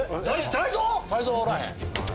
泰造おらへん。